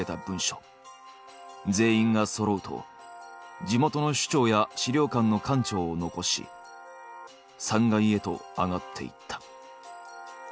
全員がそろうと地元の首長や資料館の館長を残し３階へと上がっていった。